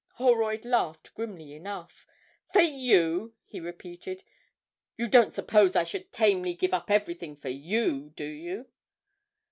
Holroyd laughed grimly enough: 'For you!' he repeated; 'you don't suppose I should tamely give up everything for you, do you?'